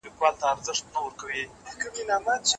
ساینس پوهان د هوا د بدلون په اړه اندېښمن دي.